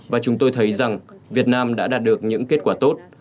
và chúng tôi thấy rằng việt nam đã đạt được những kết quả tốt